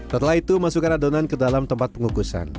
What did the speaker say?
setelah itu masukkan adonan ke dalam tempat pengukusan